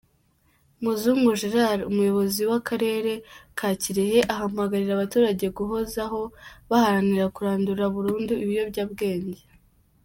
Muzungu Gerald, Umuyobozi w’Akarere ka Kirehe ahamagarira abaturage guhozaho baharanira kurandura burundu ibiyobyabwenge.